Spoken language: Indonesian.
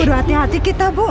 aduh hati hati kita bu